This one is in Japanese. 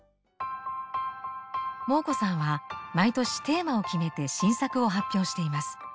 モー子さんは毎年テーマを決めて新作を発表しています。